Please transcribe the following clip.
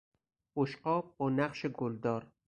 بشقاب با نقش گلدار